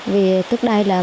vì tức đại rồi